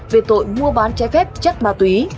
về tội mua bán trái phép chất ma túy